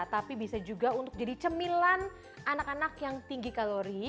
tapi bisa juga untuk jadi cemilan anak anak yang tinggi kalori